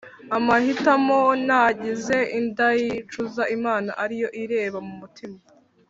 amahitamo nagize ndayicuza, imana niyo ireba m’umutima